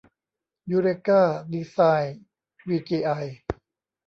ยูเรกา ดีไซน์ วีจีไอ